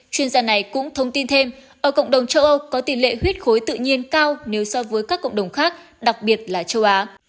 chuyên gia này cũng thông tin thêm ở cộng đồng châu âu có tỷ lệ huyết khối tự nhiên cao nếu so với các cộng đồng khác đặc biệt là châu á